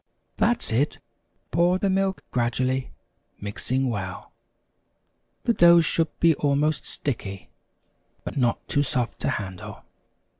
That's it pour the milk gradually, mix well the dough should be almost sticky, but not too soft to handle.